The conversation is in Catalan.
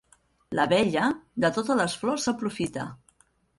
L'abella, de totes les flors s'aprofita.